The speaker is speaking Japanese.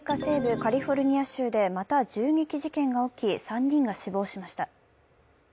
カリフォルニア州でまた銃撃事件が起き３人が死亡しました。